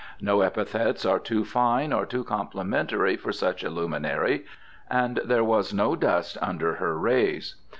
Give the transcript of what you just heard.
No epithets are too fine or too complimentary for such a luminary, and there was no dust under her rays.